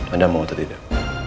anda mau atau tidak